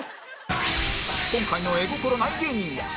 今回の絵心ない芸人は